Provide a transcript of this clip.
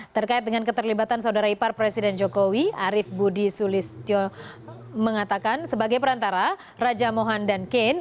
terkait dengan keterlibatan saudara ipar presiden joko widodo arief budi sulitisio mengatakan sebagai perantara raja mohanan dan ken